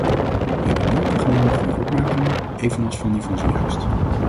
Wij hebben nota genomen van uw opmerkingen, evenals van die van zojuist.